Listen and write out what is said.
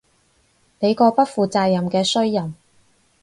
你個不負責任嘅衰人